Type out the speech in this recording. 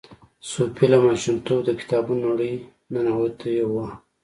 صوفي له ماشومتوبه د کتابونو نړۍ ننوتې وه.